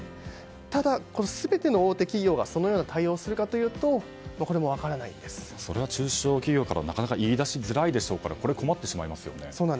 ただ、全ての大手企業がそのような対応をするかというとそれは中小企業からなかなか言い出せないでしょうから困ってしまいますね。